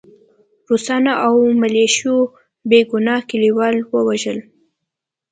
روسانو او ملیشو بې ګناه کلیوال ووژل